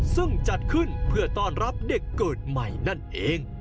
ซึ่งจัดขึ้นเพื่อต้อนรับเด็กเกิดใหม่นั่นเอง